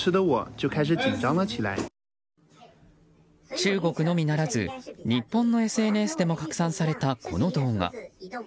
中国のみならず、日本のＳＮＳでも拡散されたこの動画。